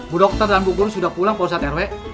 bu dokter dan bu guru sudah pulang posat rw